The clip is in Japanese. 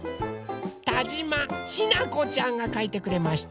たじまひなこちゃんがかいてくれました。